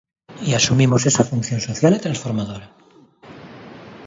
E asumimos esa función social e transformadora.